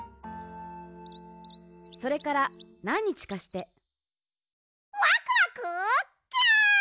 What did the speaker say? それからなんにちかしてワクワクキュン！